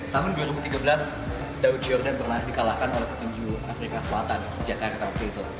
tahun dua ribu tiga belas daud jordan pernah dikalahkan oleh ketunju afrika selatan di jakarta